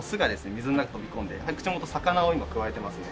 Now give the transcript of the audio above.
水の中飛び込んで口元魚を今くわえてますね。